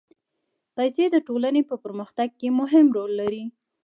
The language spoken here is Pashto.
پېسې د ټولنې په پرمختګ کې مهم رول لري.